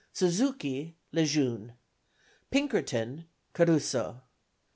Suzuki LEJEUNE. Pinkerton CARUSO.